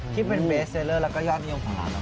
ที่เป็นเบสเซลเลอร์และก็ย่างภูมิลงกของร้านเรา